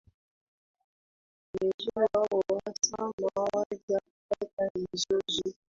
Umezua uhasama, waja kupata mizozo,